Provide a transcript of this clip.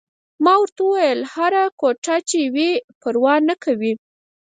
ما ورته وویل: هره کوټه چې وي، پروا نه کوي.